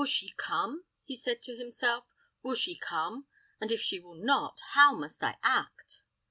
"Will she come?" he said to himself; "will she come? And if she will not, how must I act?